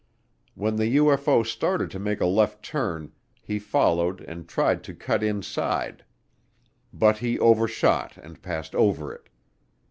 When the UFO started to make a left turn, he followed and tried to cut inside, but he overshot and passed over it.